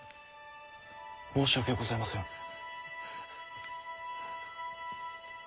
申し訳ございません。